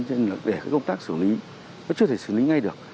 nên là để công tác xử lý nó chưa thể xử lý ngay được